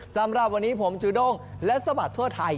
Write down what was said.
สำหรับวันนี้ผมจูด้งและสมัครทั่วไทย